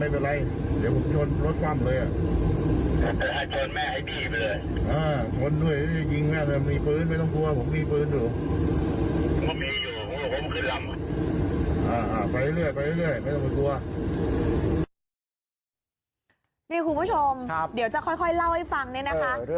พื้นไม่ต้องกลัวผมมีพื้นอยู่